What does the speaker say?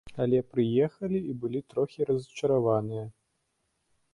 Але прыехалі і былі трохі расчараваныя.